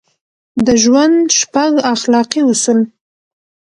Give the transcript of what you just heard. د ژوند شپږ اخلاقي اصول: